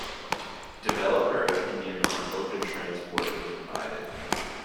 Developer opinion on Open Transport was divided.